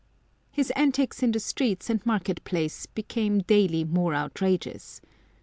His antics in the streets and market place became daily more outrageous.